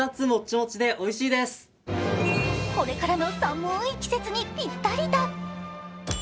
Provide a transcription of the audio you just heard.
これからの寒い季節にぴったりだ。